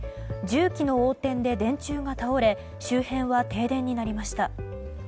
重機の横転で電柱が倒れ周辺は停電になりました。